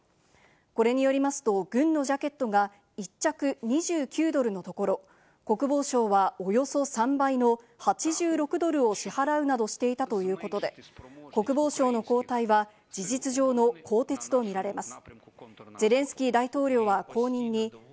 これによりますと、軍のジャケットが１着２９ドルのところ、国防省はおよそ３倍の８６ドルを支払うなどしていたということで、国防相の交代は事実上の更迭とみられます。